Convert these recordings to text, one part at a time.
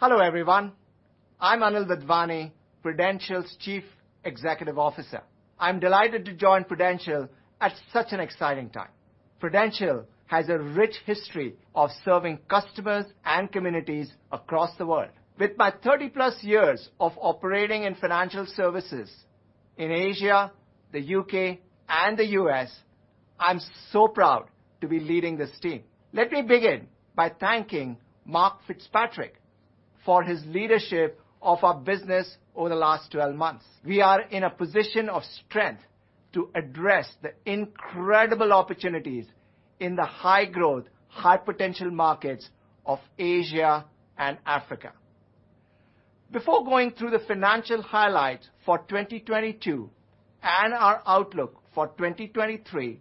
Hello, everyone. I'm Anil Wadhwani, Prudential's Chief Executive Officer. I'm delighted to join Prudential at such an exciting time. Prudential has a rich history of serving customers and communities across the world. With my 30+ years of operating in financial services in Asia, the U.K., and the U.S., I'm so proud to be leading this team. Let me begin by thanking Mark FitzPatrick for his leadership of our business over the last 12 months. We are in a position of strength to address the incredible opportunities in the high-growth, high-potential markets of Asia and Africa. Before going through the financial highlights for 2022 and our outlook for 2023,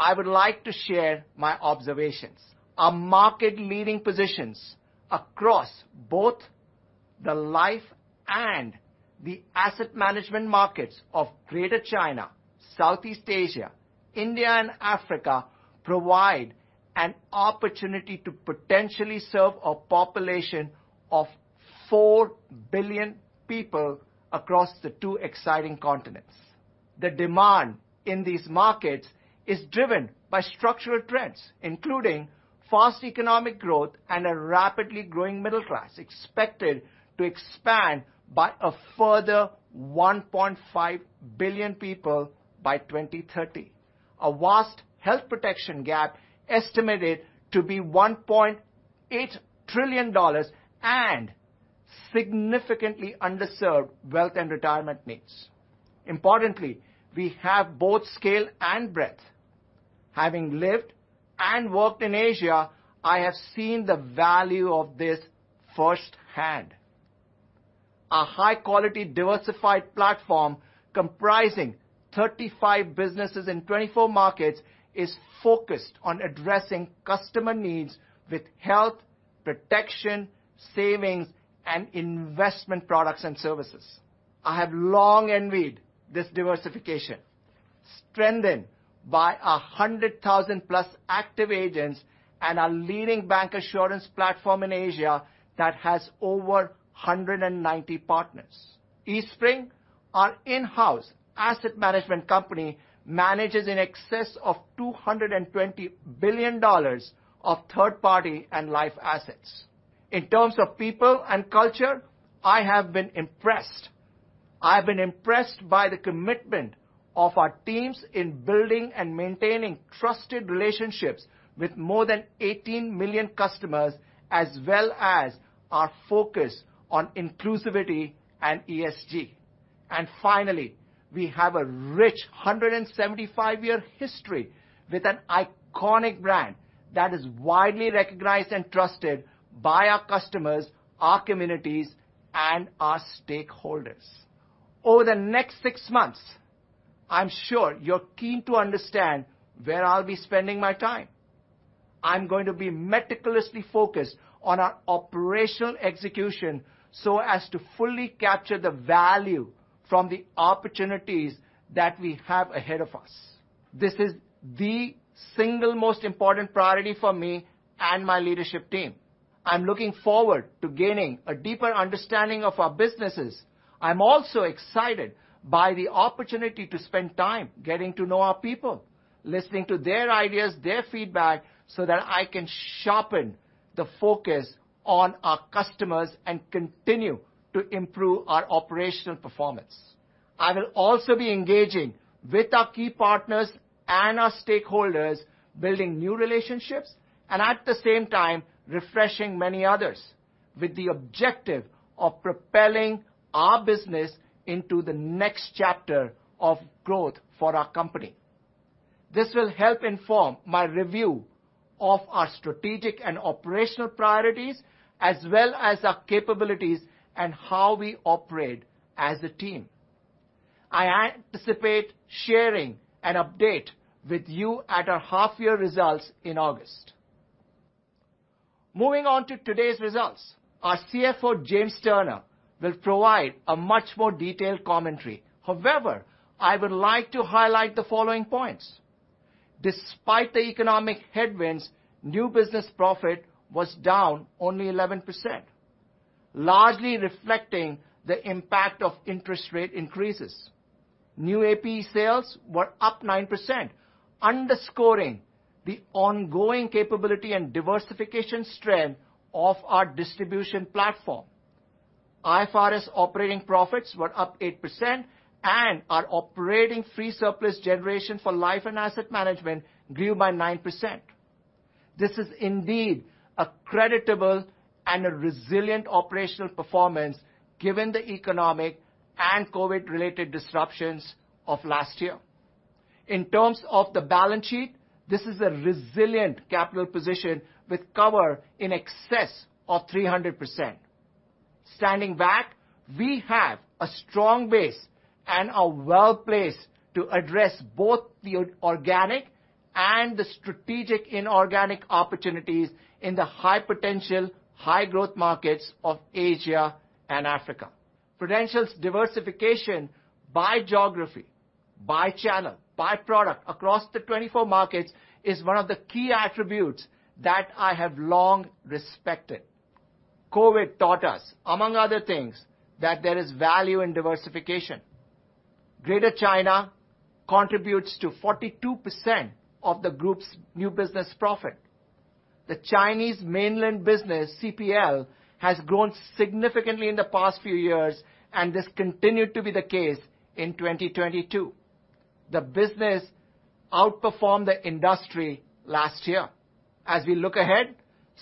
I would like to share my observations. Our market leading positions across both the life and the asset management markets of Greater China, Southeast Asia, India, and Africa provide an opportunity to potentially serve a population of 4 billion people across the two exciting continents. The demand in these markets is driven by structural trends, including fast economic growth and a rapidly growing middle class expected to expand by a further 1.5 billion people by 2030. A vast health protection gap estimated to be $1.8 trillion, and significantly underserved wealth and retirement needs. Importantly, we have both scale and breadth. Having lived and worked in Asia, I have seen the value of this firsthand. A high-quality, diversified platform comprising 35 businesses in 24 markets is focused on addressing customer needs with health, protection, savings, and investment products and services. I have long envied this diversification, strengthened by 100,000+ active agents and a leading bancassurance platform in Asia that has over 190 partners. Eastspring, our in-house asset management company, manages in excess of $220 billion of third-party and life assets. In terms of people and culture, I have been impressed. I have been impressed by the commitment of our teams in building and maintaining trusted relationships with more than 18 million customers, as well as our focus on inclusivity and ESG. Finally, we have a rich 175-year history with an iconic brand that is widely recognized and trusted by our customers, our communities, and our stakeholders. Over the next six months, I'm sure you're keen to understand where I'll be spending my time. I'm going to be meticulously focused on our operational execution so as to fully capture the value from the opportunities that we have ahead of us. This is the single most important priority for me and my leadership team. I'm looking forward to gaining a deeper understanding of our businesses. I'm also excited by the opportunity to spend time getting to know our people, listening to their ideas, their feedback, so that I can sharpen the focus on our customers and continue to improve our operational performance. I will also be engaging with our key partners and our stakeholders, building new relationships and at the same time refreshing many others with the objective of propelling our business into the next chapter of growth for our company. This will help inform my review of our strategic and operational priorities as well as our capabilities and how we operate as a team. I anticipate sharing an update with you at our half-year results in August. Moving on to today's results, our CFO, James Turner, will provide a much more detailed commentary. I would like to highlight the following points. Despite the economic headwinds, new business profit was down only 11%, largely reflecting the impact of interest rate increases. New APE sales were up 9%, underscoring the ongoing capability and diversification strength of our distribution platform. IFRS operating profit was up 8%, and our operating free surplus generation for life and asset management grew by 9%. This is indeed a creditable and a resilient operational performance given the economic and COVID-related disruptions of last year. In terms of the balance sheet, this is a resilient capital position with cover in excess of 300%. Standing back, we have a strong base and are well-placed to address both the organic and the strategic inorganic opportunities in the high potential, high growth markets of Asia and Africa. Prudential's diversification by geography, by channel, by product across the 24 markets is one of the key attributes that I have long respected. COVID taught us, among other things, that there is value in diversification. Greater China contributes to 42% of the group's new business profit. The Chinese mainland business, CPL, has grown significantly in the past few years. This continued to be the case in 2022. The business outperformed the industry last year. As we look ahead,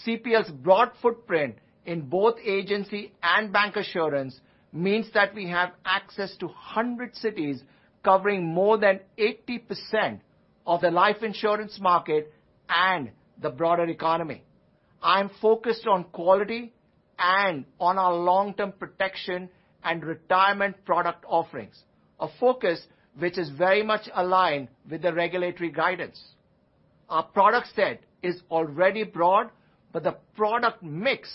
CPL's broad footprint in both agency and bancassurance means that we have access to 100 cities covering more than 80% of the life insurance market and the broader economy. I am focused on quality and on our long-term protection and retirement product offerings, a focus which is very much aligned with the regulatory guidance. Our product set is already broad, but the product mix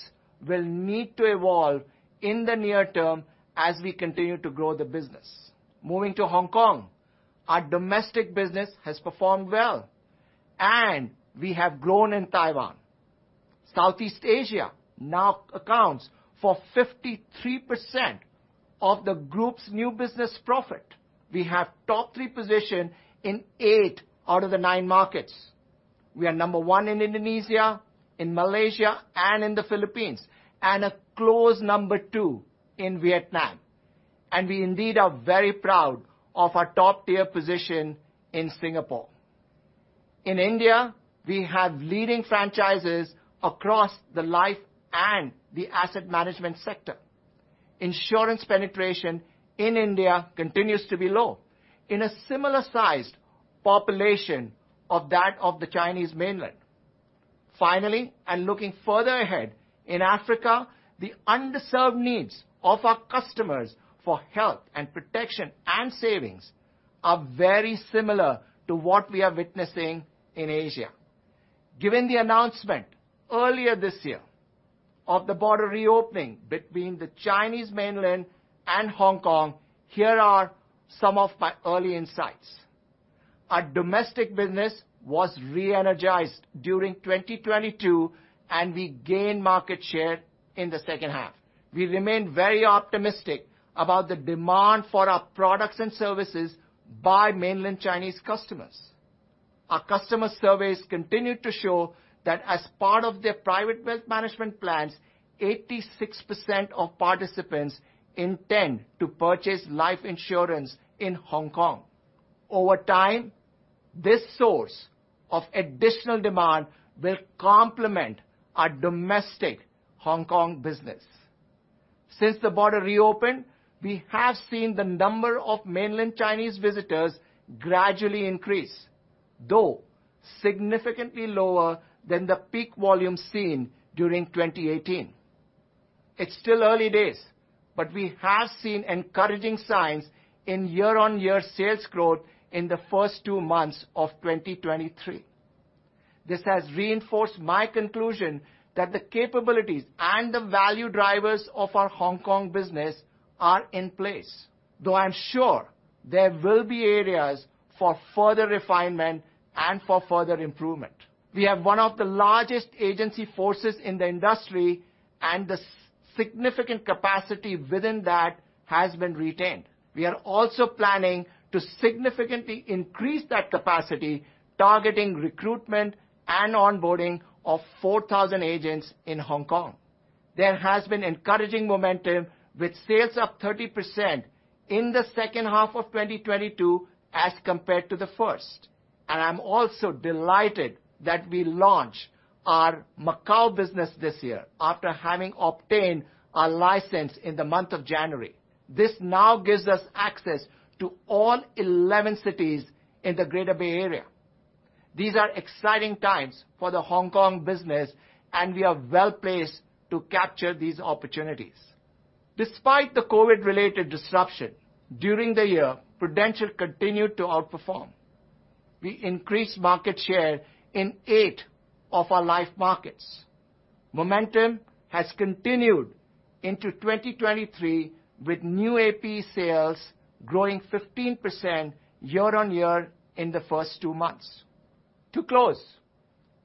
will need to evolve in the near term as we continue to grow the business. Moving to Hong Kong, our domestic business has performed well, and we have grown in Taiwan. Southeast Asia now accounts for 53% of the group's new business profit. We have top three position in eight out of the nine markets. We are number one in Indonesia, in Malaysia, and in the Philippines, and a close number two in Vietnam. We indeed are very proud of our top-tier position in Singapore. In India, we have leading franchises across the life and the asset management sector. Insurance penetration in India continues to be low in a similar-sized population of that of the Chinese mainland. Finally, and looking further ahead, in Africa, the underserved needs of our customers for health and protection and savings are very similar to what we are witnessing in Asia. Given the announcement earlier this year of the border reopening between the Chinese mainland and Hong Kong, here are some of my early insights. Our domestic business was re-energized during 2022, and we gained market share in the second half. We remain very optimistic about the demand for our products and services by mainland Chinese customers. Our customer surveys continue to show that as part of their private wealth management plans, 86% of participants intend to purchase life insurance in Hong Kong. Over time, this source of additional demand will complement our domestic Hong Kong business. Since the border reopened, we have seen the number of mainland Chinese visitors gradually increase, though significantly lower than the peak volume seen during 2018. It's still early days. We have seen encouraging signs in year-on-year sales growth in the first two months of 2023. This has reinforced my conclusion that the capabilities and the value drivers of our Hong Kong business are in place, though I'm sure there will be areas for further refinement and for further improvement. We have one of the largest agency forces in the industry, and the significant capacity within that has been retained. We are also planning to significantly increase that capacity, targeting recruitment and onboarding of 4,000 agents in Hong Kong. There has been encouraging momentum with sales up 30% in the second half of 2022 as compared to the first. I'm also delighted that we launched our Macau business this year after having obtained our license in the month of January. This now gives us access to all 11 cities in the Greater Bay Area. These are exciting times for the Hong Kong business, and we are well-placed to capture these opportunities. Despite the COVID-related disruption during the year, Prudential continued to outperform. We increased market share in eight of our life markets. Momentum has continued into 2023 with new APE sales growing 15% year-on-year in the first two months. To close,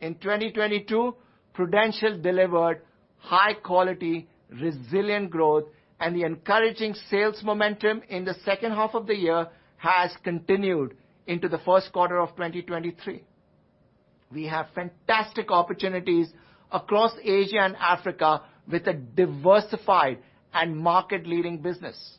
in 2022, Prudential delivered high-quality, resilient growth, and the encouraging sales momentum in the second half of the year has continued into the first quarter of 2023. We have fantastic opportunities across Asia and Africa with a diversified and market-leading business.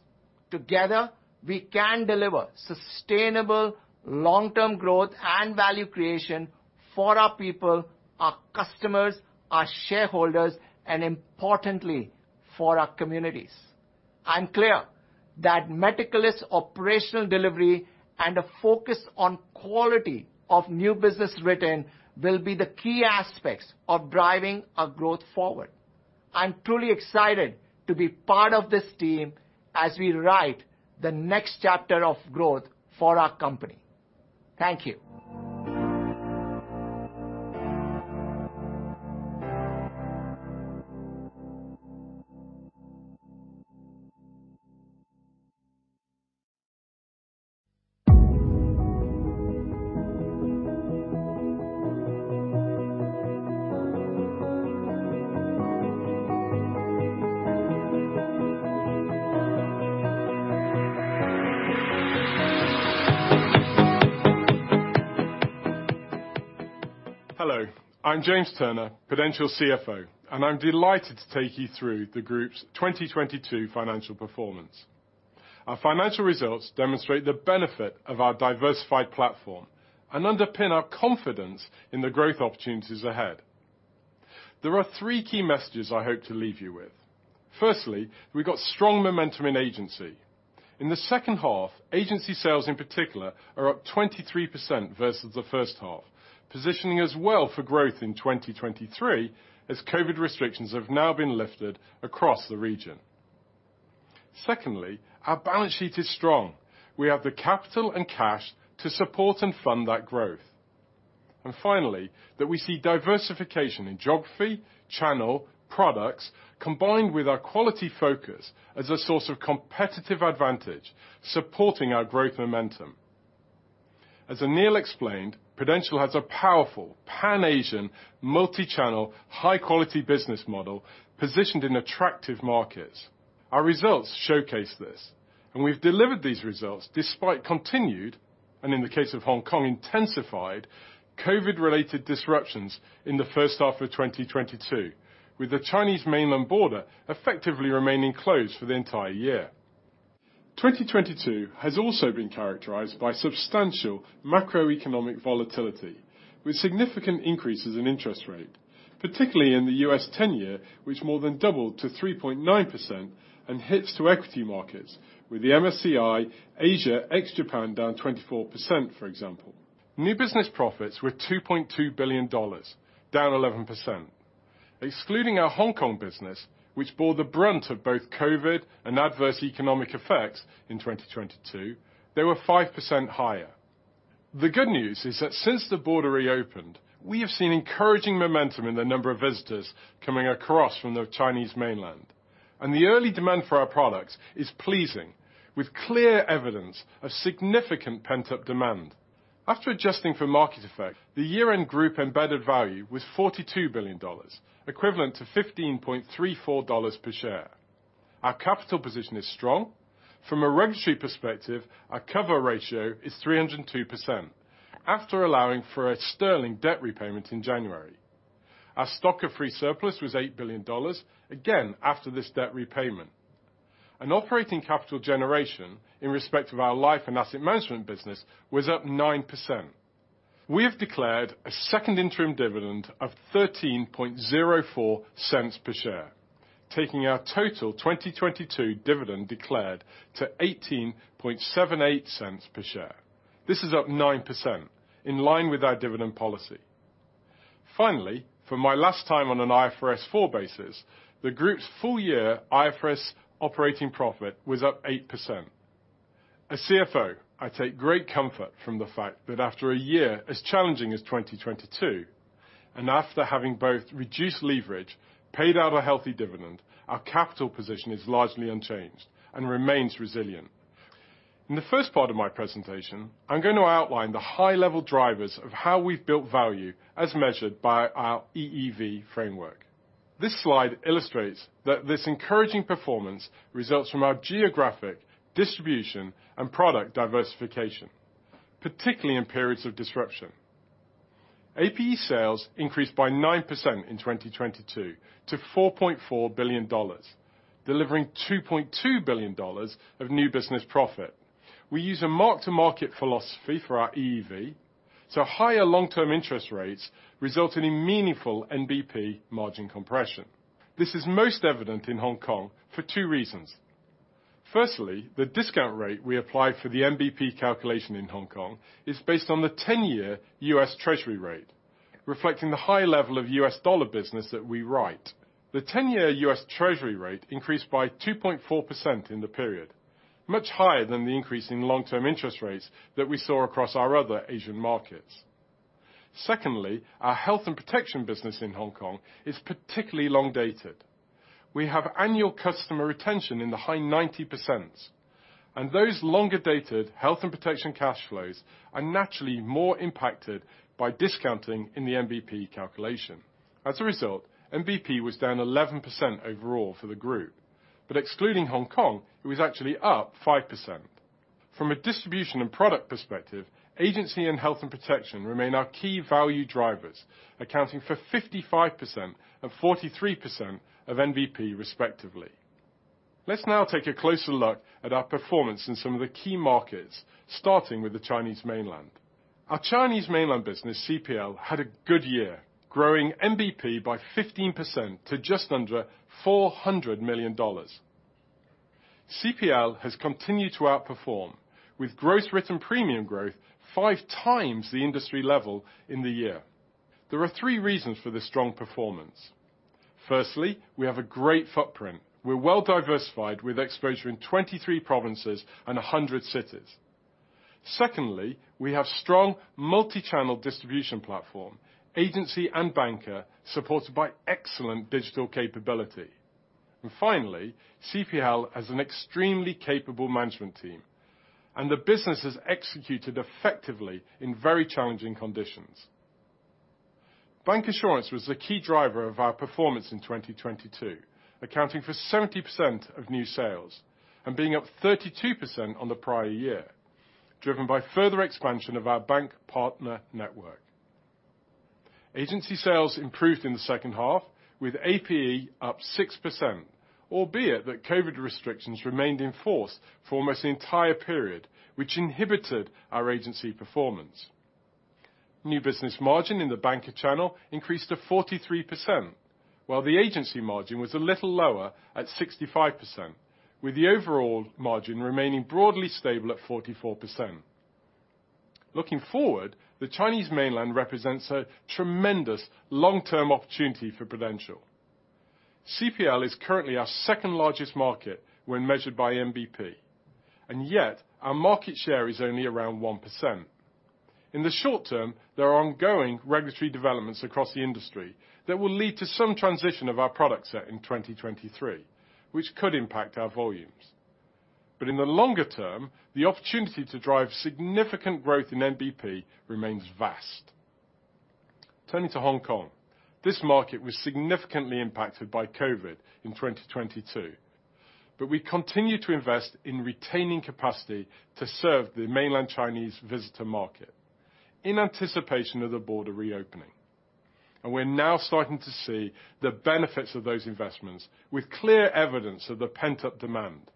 Together, we can deliver sustainable long-term growth and value creation for our people, our customers, our shareholders, and importantly, for our communities. I'm clear that meticulous operational delivery and a focus on quality of new business written will be the key aspects of driving our growth forward. I'm truly excited to be part of this team as we write the next chapter of growth for our company. Thank you. Hello, I'm James Turner, Prudential CFO, and I'm delighted to take you through the group's 2022 financial performance. Our financial results demonstrate the benefit of our diversified platform and underpin our confidence in the growth opportunities ahead. There are three key messages I hope to leave you with. Firstly, we got strong momentum in agency. In the second half, agency sales in particular are up 23% versus the first half, positioning us well for growth in 2023 as COVID restrictions have now been lifted across the region. Secondly, our balance sheet is strong. We have the capital and cash to support and fund that growth. Finally, that we see diversification in geography, channel, products, combined with our quality focus as a source of competitive advantage supporting our growth momentum. As Anil explained, Prudential plc has a powerful Pan-Asian, multi-channel, high-quality business model positioned in attractive markets. Our results showcase this, and we've delivered these results despite continued, and in the case of Hong Kong, intensified COVID-related disruptions in the first half of 2022, with the Chinese mainland border effectively remaining closed for the entire year. 2022 has also been characterized by substantial macroeconomic volatility, with significant increases in interest rate, particularly in the U.S. 10-year, which more than doubled to 3.9% and hits to equity markets, with the MSCI Asia ex-Japan down 24%, for example. New business profits were $2.2 billion, down 11%. Excluding our Hong Kong business, which bore the brunt of both COVID and adverse economic effects in 2022, they were 5% higher. The good news is that since the border reopened, we have seen encouraging momentum in the number of visitors coming across from the Chinese mainland. The early demand for our products is pleasing, with clear evidence of significant pent-up demand. After adjusting for market effect, the year-end group embedded value was $42 billion, equivalent to $15.34 per share. Our capital position is strong. From a regulatory perspective, our cover ratio is 302% after allowing for a sterling debt repayment in January. Our stock of free surplus was $8 billion, again after this debt repayment. An operating capital generation in respect of our life and asset management business was up 9%. We have declared a second interim dividend of $0.1304 per share, taking our total 2022 dividend declared to $0.1878 per share. This is up 9% in line with our dividend policy. Finally, for my last time on an IFRS 4 basis, the group's Full-year IFRS operating profit was up 8%. As CFO, I take great comfort from the fact that after a year as challenging as 2022, after having both reduced leverage, paid out a healthy dividend, our capital position is largely unchanged and remains resilient. In the first part of my presentation, I'm going to outline the high level drivers of how we've built value as measured by our EEV framework. This slide illustrates that this encouraging performance results from our geographic distribution and product diversification, particularly in periods of disruption. APE sales increased by 9% in 2022 to $4.4 billion, delivering $2.2 billion of new business profit. We use a mark-to-market philosophy for our EEV, higher long-term interest rates resulting in meaningful NBP margin compression. This is most evident in Hong Kong for two reasons. Firstly, the discount rate we apply for the NBP calculation in Hong Kong is based on the 10-year U.S. Treasury rate, reflecting the high level of U.S. dollar business that we write. The 10-year U.S. Treasury rate increased by 2.4% in the period, much higher than the increase in long-term interest rates that we saw across our other Asian markets. Secondly, our health and protection business in Hong Kong is particularly long dated. We have annual customer retention in the high 90%, and those longer-dated health and protection cash flows are naturally more impacted by discounting in the NBP calculation. As a result, NBP was down 11% overall for the group, but excluding Hong Kong, it was actually up 5%. From a distribution and product perspective, agency and health and protection remain our key value drivers, accounting for 55% and 43% of NBP, respectively. Let's now take a closer look at our performance in some of the key markets, starting with the Chinese mainland. Our Chinese mainland business, CPL, had a good year, growing NBP by 15% to just under $400 million. CPL has continued to outperform, with Gross Written Premium growth five times the industry level in the year. There are three reasons for this strong performance. Firstly, we have a great footprint. We're well-diversified with exposure in 23 provinces and 100 cities. Secondly, we have strong multi-channel distribution platform, agency and banker, supported by excellent digital capability. Finally, CPL has an extremely capable management team, and the business is executed effectively in very challenging conditions. Bancassurance was the key driver of our performance in 2022, accounting for 70% of new sales and being up 32% on the prior year, driven by further expansion of our bank partner network. Agency sales improved in the second half, with APE up 6%, albeit that COVID restrictions remained in force for almost the entire period, which inhibited our agency performance. New business margin in the banker channel increased to 43%, while the agency margin was a little lower at 65%, with the overall margin remaining broadly stable at 44%. Looking forward, the Chinese Mainland represents a tremendous long-term opportunity for Prudential. CPL is currently our second largest market when measured by NBP, and yet our market share is only around 1%. In the short term, there are ongoing regulatory developments across the industry that will lead to some transition of our product set in 2023, which could impact our volumes. In the longer term, the opportunity to drive significant growth in MBP remains vast. Turning to Hong Kong, this market was significantly impacted by COVID in 2022, but we continue to invest in retaining capacity to serve the Mainland Chinese visitor market in anticipation of the border reopening. We're now starting to see the benefits of those investments with clear evidence of the pent-up demand.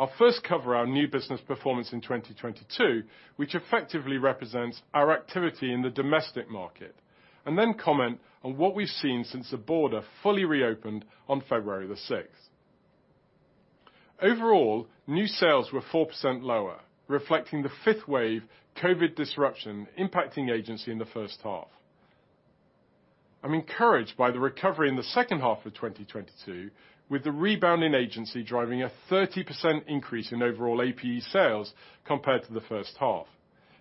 I'll first cover our new business performance in 2022, which effectively represents our activity in the domestic market, and then comment on what we've seen since the border fully reopened on February 6. Overall, new sales were 4% lower, reflecting the 5th wave COVID disruption impacting agency in the first half. I'm encouraged by the recovery in the second half of 2022 with the rebounding agency driving a 30% increase in overall APE sales compared to the first half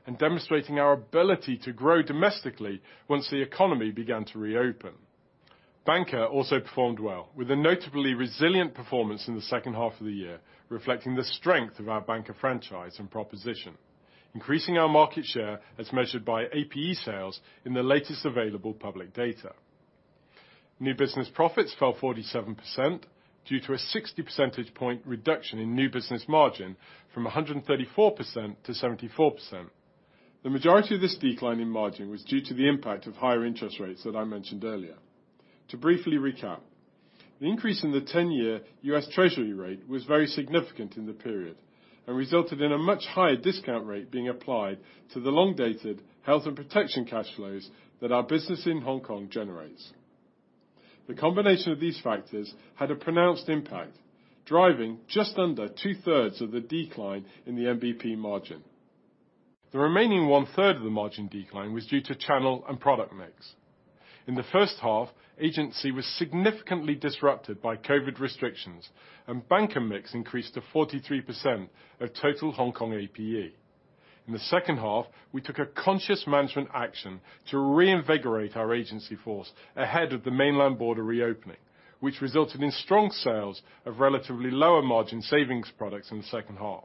and demonstrating our ability to grow domestically once the economy began to reopen. Banker also performed well with a notably resilient performance in the second half of the year, reflecting the strength of our banker franchise and proposition, increasing our market share as measured by APE sales in the latest available public data. New business profits fell 47% due to a 60 percentage point reduction in new business margin from 134% to 74%. The majority of this decline in margin was due to the impact of higher interest rates that I mentioned earlier. To briefly recap, the increase in the 10-year U.S. Treasury rate was very significant in the period and resulted in a much higher discount rate being applied to the long-dated health and protection cash flows that our business in Hong Kong generates. The combination of these factors had a pronounced impact, driving just under 2/3 of the decline in the NBP margin. The remaining 1/3 of the margin decline was due to channel and product mix. In the first half, agency was significantly disrupted by COVID restrictions, and banker mix increased to 43% of total Hong Kong APE. In the second half, we took a conscious management action to reinvigorate our agency force ahead of the Mainland border reopening, which resulted in strong sales of relatively lower margin savings products in the second half.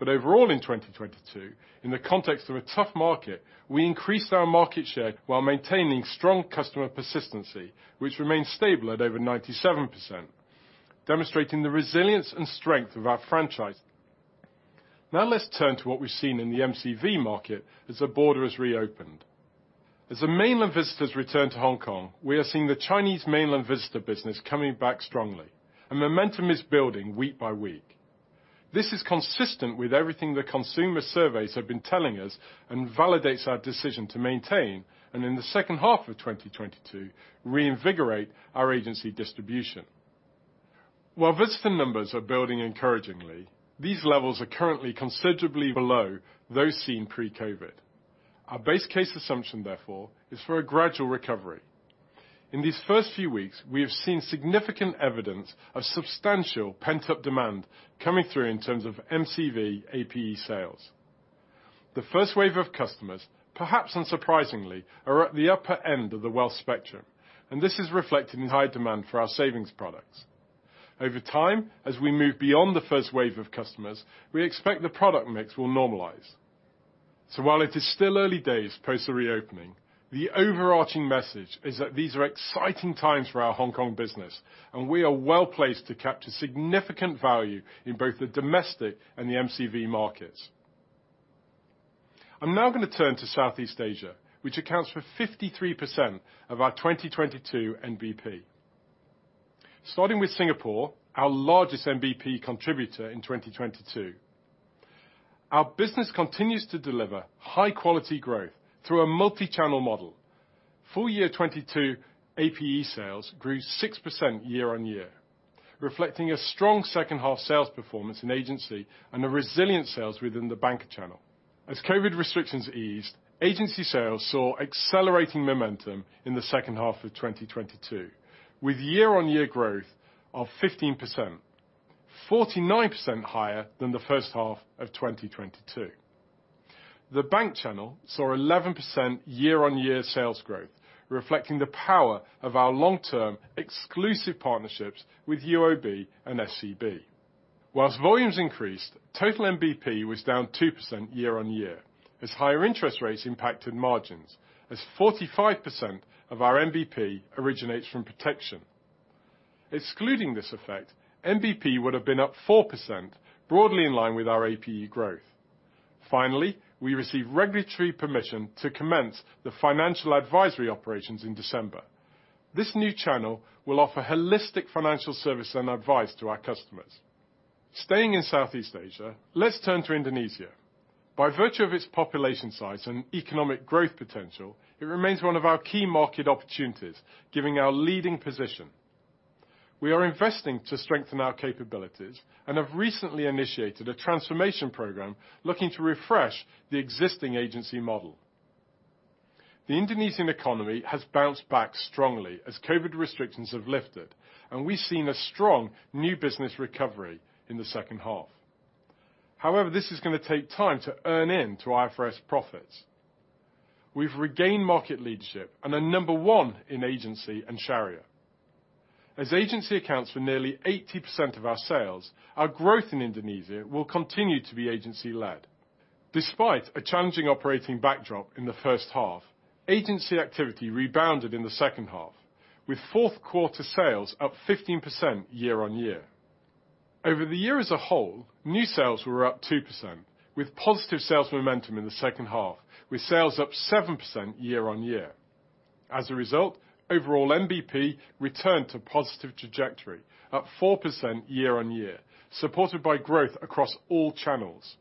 Overall, in 2022, in the context of a tough market, we increased our market share while maintaining strong customer persistency, which remains stable at over 97%, demonstrating the resilience and strength of our franchise. Let's turn to what we've seen in the MCV market as the border has reopened. As the Mainland visitors return to Hong Kong, we are seeing the Chinese Mainland visitor business coming back strongly and momentum is building week by week. This is consistent with everything the consumer surveys have been telling us and validates our decision to maintain, and in the second half of 2022, reinvigorate our agency distribution. While visitor numbers are building encouragingly, these levels are currently considerably below those seen pre-COVID. Our base case assumption, therefore, is for a gradual recovery. In these first few weeks, we have seen significant evidence of substantial pent-up demand coming through in terms of MCV APE sales. The first wave of customers, perhaps unsurprisingly, are at the upper end of the wealth spectrum, and this is reflected in high demand for our savings products. Over time, as we move beyond the first wave of customers, we expect the product mix will normalize. While it is still early days post the reopening, the overarching message is that these are exciting times for our Hong Kong business, and we are well-placed to capture significant value in both the domestic and the MCV markets. I'm now gonna turn to Southeast Asia, which accounts for 53% of our 2022 NBP. Starting with Singapore, our largest NBP contributor in 2022. Our business continues to deliver high quality growth through a multi-channel model. Full year 2022 APE sales grew 6% year-on-year, reflecting a strong second half sales performance in agency and the resilient sales within the bank channel. As COVID restrictions eased, agency sales saw accelerating momentum in the second half of 2022, with year-on-year growth of 15%, 49% higher than the first half of 2022. The bank channel saw 11% year-on-year sales growth, reflecting the power of our long-term exclusive partnerships with UOB and SCB. Volumes increased, total NBP was down 2% year-on-year as higher interest rates impacted margins as 45% of our NBP originates from protection. Excluding this effect, NBP would have been up 4% broadly in line with our APE growth. We received regulatory permission to commence the financial advisory operations in December. This new channel will offer holistic financial service and advice to our customers. Staying in Southeast Asia, let's turn to Indonesia. By virtue of its population size and economic growth potential, it remains one of our key market opportunities, giving our leading position. We are investing to strengthen our capabilities and have recently initiated a transformation program looking to refresh the existing agency model. The Indonesian economy has bounced back strongly as COVID restrictions have lifted. We've seen a strong new business recovery in the second half. However, this is gonna take time to earn in to IFRS profits. We've regained market leadership and are number one in agency and Sharia. Agency accounts for nearly 80% of our sales, our growth in Indonesia will continue to be agency-led. Despite a challenging operating backdrop in the first half, agency activity rebounded in the second half, with fourth quarter sales up 15% year-on-year. Over the year as a whole, new sales were up 2% with positive sales momentum in the second half, with sales up 7% year-on-year. Overall NBP returned to positive trajectory up 4% year-on-year, supported by growth across all channels.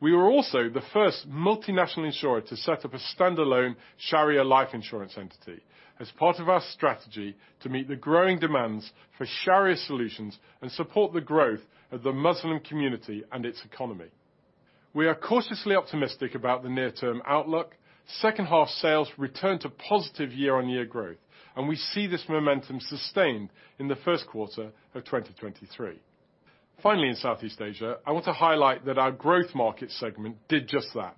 We were also the first multinational insurer to set up a standalone Sharia life insurance entity as part of our strategy to meet the growing demands for Sharia solutions and support the growth of the Muslim community and its economy. We are cautiously optimistic about the near-term outlook. Second half sales returned to positive year-on-year growth. We see this momentum sustained in the first quarter of 2023. In Southeast Asia, I want to highlight that our growth market segment did just that.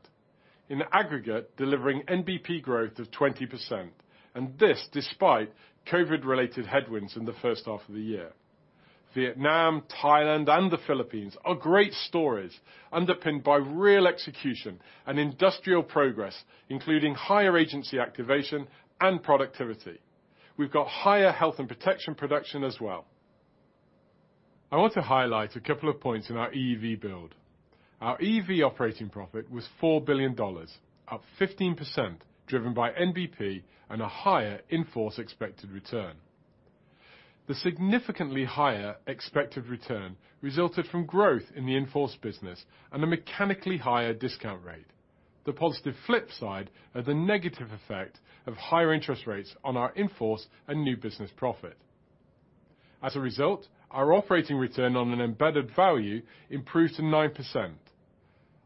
In aggregate, delivering NBP growth of 20%, this despite COVID-related headwinds in the first half of the year. Vietnam, Thailand and the Philippines are great stories underpinned by real execution and industrial progress, including higher agency activation and productivity. We've got higher health and protection production as well. I want to highlight a couple of points in our EEV build. Our EEV operating profit was $4 billion, up 15%, driven by NBP and a higher in-force expected return. The significantly higher expected return resulted from growth in the in-force business and a mechanically higher discount rate. The positive flip side are the negative effect of higher interest rates on our in-force and new business profit. Our operating return on an embedded value improved to 9%.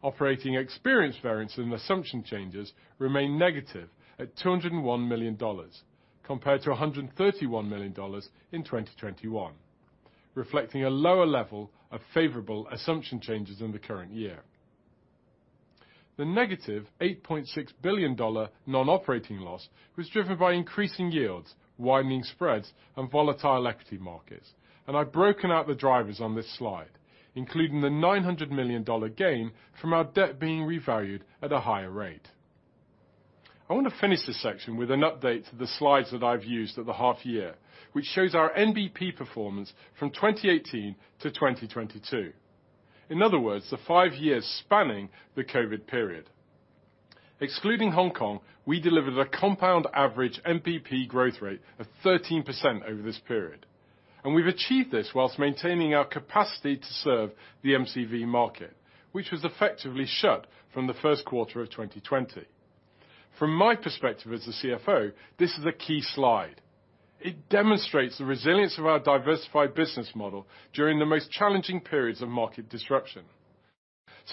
Operating experience variance and assumption changes remain negative at $201 million compared to $131 million in 2021, reflecting a lower level of favorable assumption changes in the current year. The -$8.6 billion non-operating loss was driven by increasing yields, widening spreads and volatile equity markets. I've broken out the drivers on this slide, including the $900 million gain from our debt being revalued at a higher rate. I want to finish this section with an update to the slides that I've used at the half year, which shows our NBP performance from 2018 to 2022. In other words, the five years spanning the COVID period. Excluding Hong Kong, we delivered a compound average NBP growth rate of 13% over this period. We've achieved this while maintaining our capacity to serve the MCV market, which was effectively shut from the first quarter of 2020. From my perspective as the CFO, this is a key slide. It demonstrates the resilience of our diversified business model during the most challenging periods of market disruption.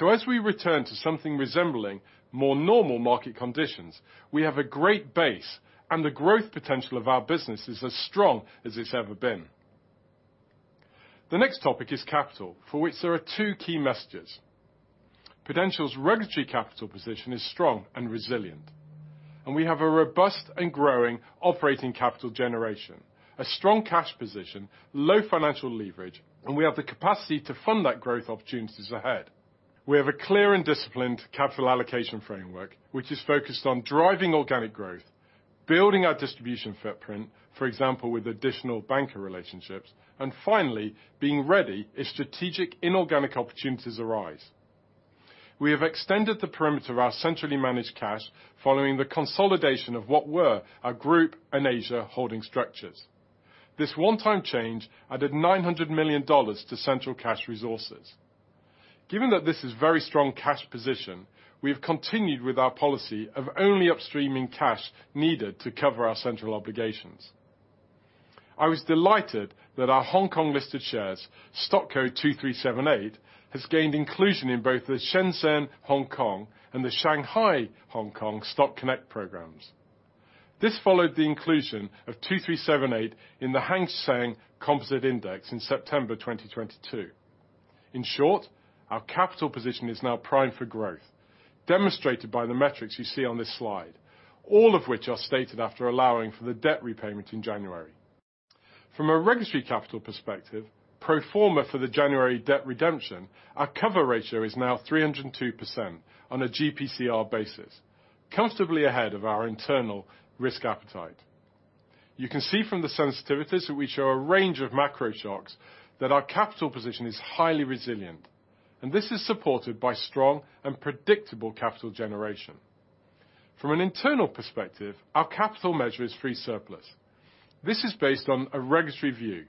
As we return to something resembling more normal market conditions, we have a great base. The growth potential of our business is as strong as it's ever been. The next topic is capital, for which there are two key messages. Prudential's regulatory capital position is strong and resilient. We have a robust and growing operating capital generation, a strong cash position, low financial leverage. We have the capacity to fund that growth opportunities ahead. We have a clear and disciplined capital allocation framework, which is focused on driving organic growth, building our distribution footprint, for example, with additional banker relationships, finally, being ready if strategic inorganic opportunities arise. We have extended the perimeter of our centrally managed cash following the consolidation of what were our group and Asia holding structures. This one-time change added $900 million to central cash resources. Given that this is very strong cash position, we have continued with our policy of only upstreaming cash needed to cover our central obligations. I was delighted that our Hong Kong listed shares, stock code 2378, has gained inclusion in both the Shenzhen Hong Kong and the Shanghai Hong Kong Stock Connect programs. This followed the inclusion of 2378 in the Hang Seng Composite Index in September 2022. In short, our capital position is now primed for growth, demonstrated by the metrics you see on this slide, all of which are stated after allowing for the debt repayment in January. From a regulatory capital perspective, pro forma for the January debt redemption, our cover ratio is now 302% on a GPCR basis, comfortably ahead of our internal risk appetite. You can see from the sensitivities that we show a range of macro shocks that our capital position is highly resilient. This is supported by strong and predictable capital generation. From an internal perspective, our capital measure is free surplus. This is based on a regulatory view.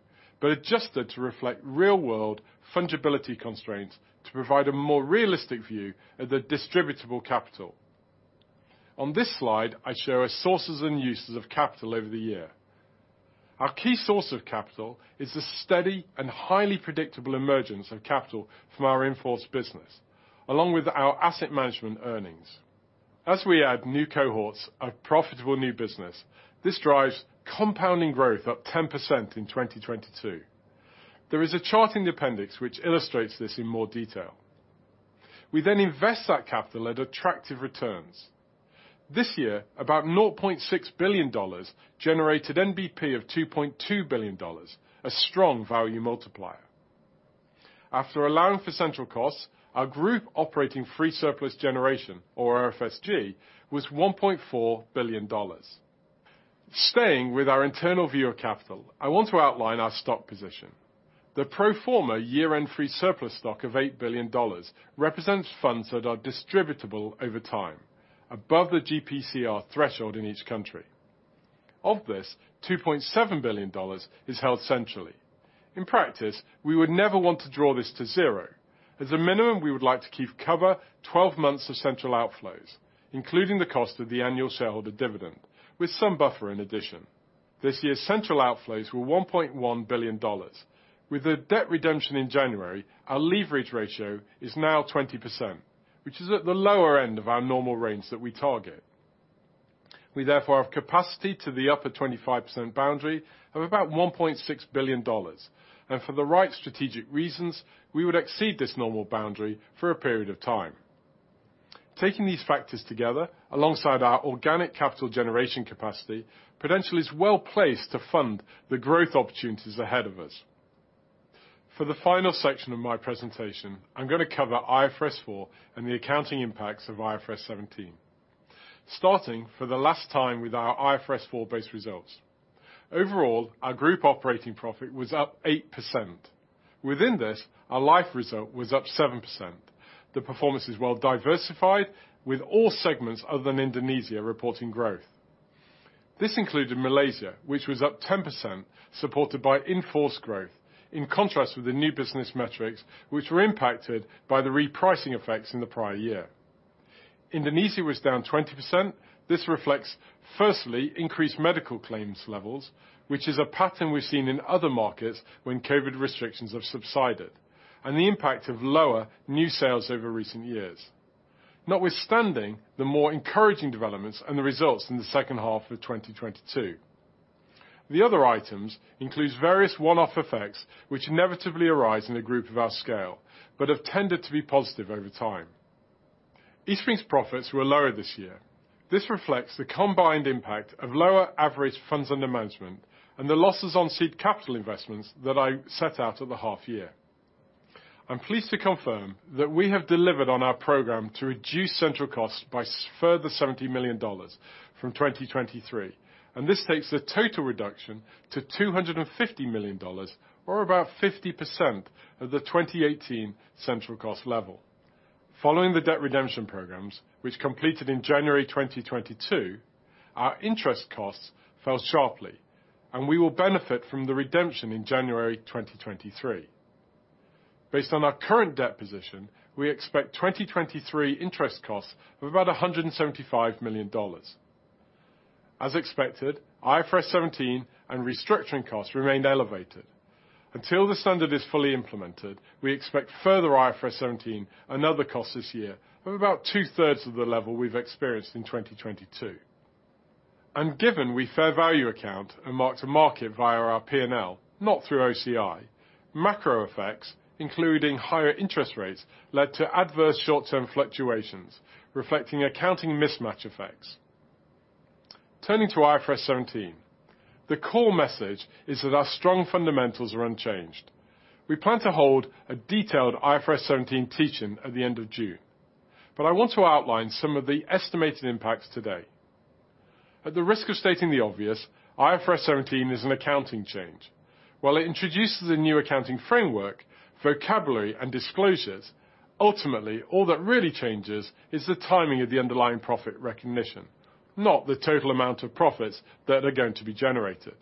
Adjusted to reflect real-world fungibility constraints to provide a more realistic view of the distributable capital. On this slide, I show our sources and uses of capital over the year. Our key source of capital is the steady and highly predictable emergence of capital from our in-force business, along with our asset management earnings. As we add new cohorts of profitable new business, this drives compounding growth up 10% in 2022. There is a chart in the Appendix which illustrates this in more detail. We then invest that capital at attractive returns. This year, about $0.6 billion generated NBP of $2.2 billion, a strong value multiplier. After allowing for central costs, our group operating free surplus generation, or OFSG, was $1.4 billion. Staying with our internal view of capital, I want to outline our stock position. The pro forma year-end free surplus stock of $8 billion represents funds that are distributable over time, above the GPCR threshold in each country. Of this, $2.7 billion is held centrally. In practice, we would never want to draw this to 0. As a minimum, we would like to keep cover 12 months of central outflows, including the cost of the annual shareholder dividend, with some buffer in addition. This year, central outflows were $1.1 billion. With the debt redemption in January, our leverage ratio is now 20%, which is at the lower end of our normal range that we target. We therefore have capacity to the upper 25% boundary of about $1.6 billion. For the right strategic reasons, we would exceed this normal boundary for a period of time. Taking these factors together, alongside our organic capital generation capacity, Prudential is well placed to fund the growth opportunities ahead of us. For the final section of my presentation, I'm gonna cover IFRS 4 and the accounting impacts of IFRS 17. Starting for the last time with our IFRS 4 base results. Overall, our group operating profit was up 8%. Within this, our life result was up 7%. The performance is well diversified, with all segments other than Indonesia reporting growth. This included Malaysia, which was up 10%, supported by in-force growth, in contrast with the new business metrics, which were impacted by the repricing effects in the prior year. Indonesia was down 20%. This reflects, firstly, increased medical claims levels, which is a pattern we've seen in other markets when COVID restrictions have subsided, and the impact of lower new sales over recent years. Notwithstanding the more encouraging developments and the results in the second half of 2022. The other items includes various one-off effects which inevitably arise in a group of our scale, but have tended to be positive over time. Eastspring's profits were lower this year. This reflects the combined impact of lower average funds under management and the losses on seed capital investments that I set out at the half year. I'm pleased to confirm that we have delivered on our program to reduce central costs by further $70 million from 2023. This takes the total reduction to $250 million, or about 50% of the 2018 central cost level. Following the debt redemption programs, which completed in January 2022, our interest costs fell sharply. We will benefit from the redemption in January 2023. Based on our current debt position, we expect 2023 interest costs of about $175 million. As expected, IFRS 17 and restructuring costs remained elevated. Until the standard is fully implemented, we expect further IFRS 17 and other costs this year of about 2/3 of the level we've experienced in 2022. Given we fair value account and mark-to-market via our P&L, not through OCI, macro effects, including higher interest rates, led to adverse short-term fluctuations, reflecting accounting mismatch effects. Turning to IFRS 17, the core message is that our strong fundamentals are unchanged. We plan to hold a detailed IFRS 17 teach-in at the end of June. I want to outline some of the estimated impacts today. At the risk of stating the obvious, IFRS 17 is an accounting change. It introduces a new accounting framework, vocabulary, and disclosures, ultimately, all that really changes is the timing of the underlying profit recognition, not the total amount of profits that are going to be generated.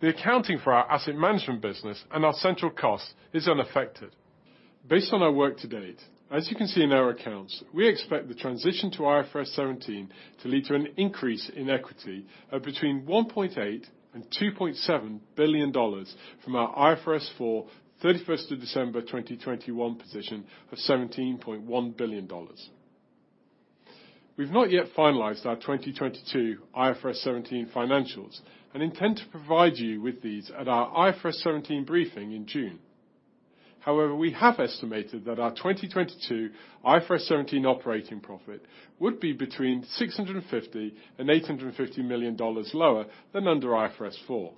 The accounting for our asset management business and our central cost is unaffected. Based on our work to date, as you can see in our accounts, we expect the transition to IFRS 17 to lead to an increase in equity of between $1.8 billion and $2.7 billion from our IFRS 4, 31st of December 2021 position of $17.1 billion. We've not yet finalized our 2022 IFRS 17 financials and intend to provide you with these at our IFRS 17 briefing in June. We have estimated that our 2022 IFRS 17 operating profit would be between $650 million and $850 million lower than under IFRS 4.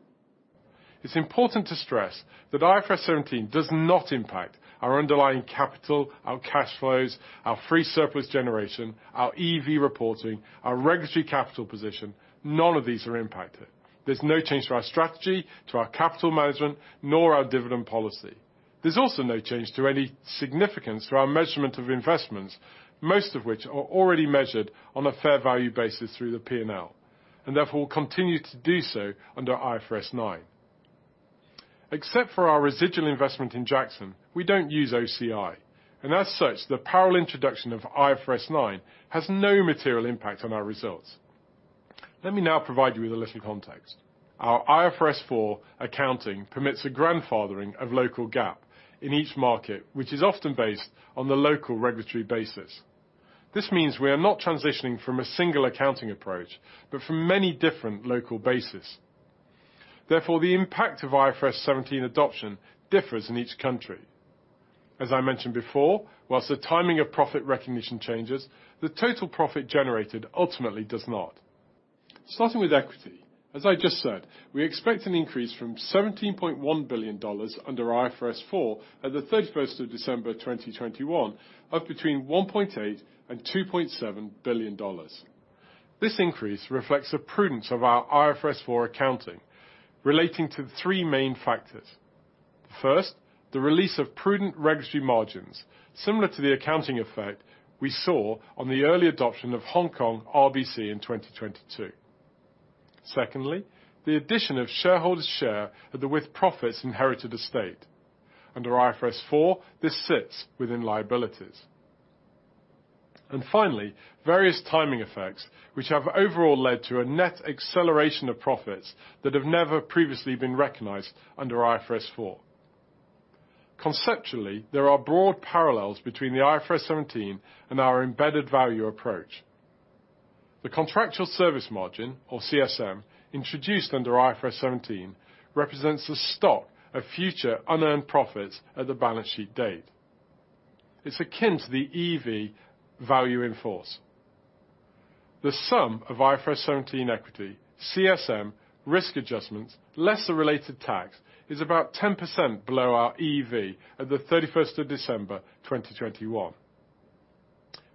It's important to stress that IFRS 17 does not impact our underlying capital, our cash flows, our free surplus generation, our EV reporting, our regulatory capital position, none of these are impacted. There's no change to our strategy, to our capital management, nor our dividend policy. There's also no change to any significance to our measurement of investments, most of which are already measured on a fair value basis through the P&L, and therefore, will continue to do so under IFRS 9. Except for our residual investment in Jackson, we don't use OCI, and as such, the parallel introduction of IFRS 9 has no material impact on our results. Let me now provide you with a little context. Our IFRS 4 accounting permits a grandfathering of Local GAAP in each market, which is often based on the local regulatory basis. Means we are not transitioning from a single accounting approach, but from many different local basis. The impact of IFRS 17 adoption differs in each country. As I mentioned before, whilst the timing of profit recognition changes, the total profit generated ultimately does not. Starting with equity, as I just said, we expect an increase from $17.1 billion under IFRS 4 at 31st of December 2021 of between $1.8 billion and $2.7 billion. This increase reflects a prudence of our IFRS 4 accounting relating to the three main factors. The release of prudent registry margins, similar to the accounting effect we saw on the early adoption of Hong Kong RBC in 2022. The addition of shareholders share at the with-profits inherited estate. Under IFRS 4, this sits within liabilities. Finally, various timing effects, which have overall led to a net acceleration of profits that have never previously been recognized under IFRS 4. Conceptually, there are broad parallels between the IFRS 17 and our embedded value approach. The contractual service margin, or CSM, introduced under IFRS 17, represents the stock of future unearned profits at the balance sheet date. It's akin to the EV value in force. The sum of IFRS 17 equity, CSM, risk adjustments, lesser related tax, is about 10% below our EV at the 31st of December 2021.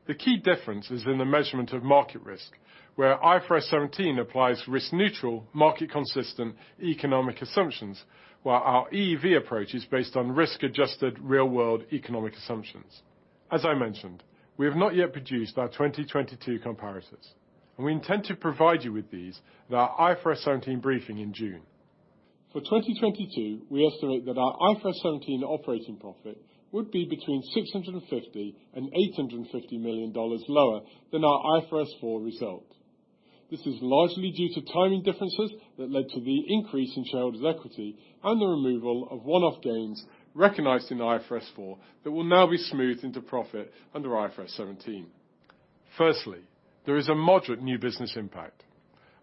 The key difference is in the measurement of market risk, where IFRS 17 applies risk-neutral, market-consistent economic assumptions, while our EV approach is based on risk-adjusted real-world economic assumptions. As I mentioned, we have not yet produced our 2022 comparators, and we intend to provide you with these at our IFRS 17 briefing in June. For 2022, we estimate that our IFRS 17 operating profit would be between $650 million and $850 million lower than our IFRS 4 result. This is largely due to timing differences that led to the increase in shareholders' equity and the removal of one-off gains recognized in IFRS 4 that will now be smoothed into profit under IFRS 17. Firstly, there is a moderate new business impact.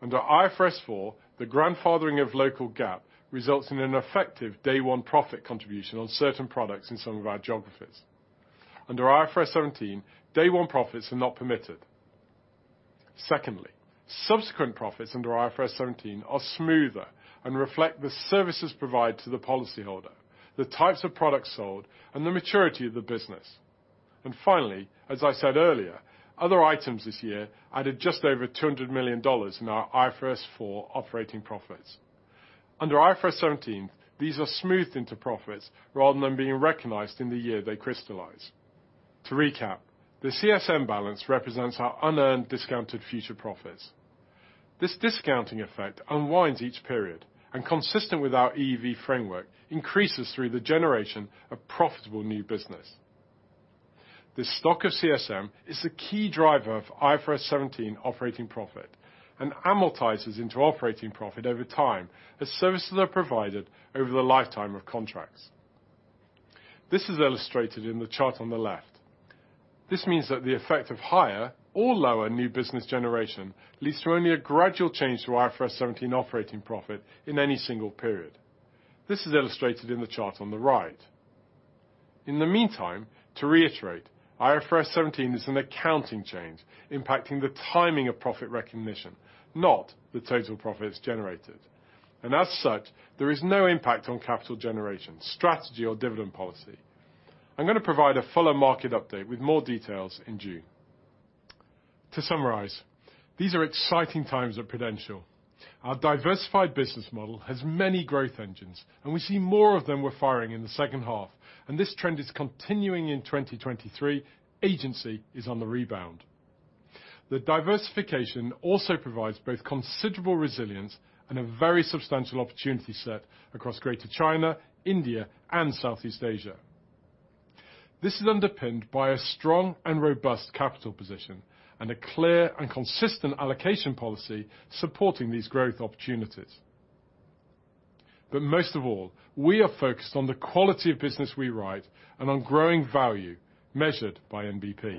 Under IFRS 4, the grandfathering of Local GAAP results in an effective day-one profit contribution on certain products in some of our geographies. Under IFRS 17, day-one profits are not permitted. Secondly, subsequent profits under IFRS 17 are smoother and reflect the services provided to the policyholder, the types of products sold, and the maturity of the business. Finally, as I said earlier, other items this year added just over $200 million in our IFRS 4 operating profits. Under IFRS 17, these are smoothed into profits rather than being recognized in the year they crystallize. To recap, the CSM balance represents our unearned discounted future profits. This discounting effect unwinds each period and consistent with our EV framework, increases through the generation of profitable new business. This stock of CSM is the key driver of IFRS 17 operating profit and amortizes into operating profit over time as services are provided over the lifetime of contracts. This is illustrated in the chart on the left. This means that the effect of higher or lower new business generation leads to only a gradual change to IFRS 17 operating profit in any single period. This is illustrated in the chart on the right. In the meantime, to reiterate, IFRS 17 is an accounting change impacting the timing of profit recognition, not the total profits generated. As such, there is no impact on capital generation, strategy, or dividend policy. I'm gonna provide a fuller market update with more details in June. To summarize, these are exciting times at Prudential. Our diversified business model has many growth engines, and we see more of them were firing in the second half, and this trend is continuing in 2023. Agency is on the rebound. The diversification also provides both considerable resilience and a very substantial opportunity set across Greater China, India, and Southeast Asia. This is underpinned by a strong and robust capital position and a clear and consistent allocation policy supporting these growth opportunities. Most of all, we are focused on the quality of business we write and on growing value measured by MVP.